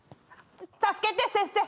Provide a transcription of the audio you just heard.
助けて先生。